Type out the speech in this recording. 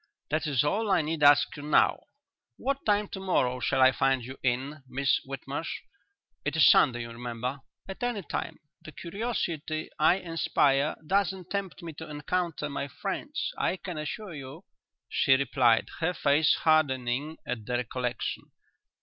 "That is all I need ask you now. What time to morrow shall I find you in, Miss Whitmarsh? It is Sunday, you remember." "At any time. The curiosity I inspire doesn't tempt me to encounter my friends, I can assure you," she replied, her face hardening at the recollection.